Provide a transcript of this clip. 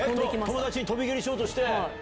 友達に跳び蹴りしようとして？